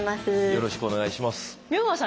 よろしくお願いします。